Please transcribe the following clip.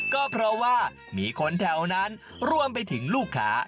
ก็เพราะว่ามีคนแถวนั้นรวมไปถึงลูกค้า